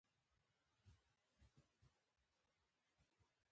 ښځه په خبره کې ورولوېدله.